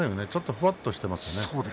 ふわっとしてますよね。